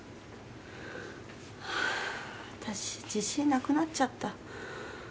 わたし自信なくなっちゃった。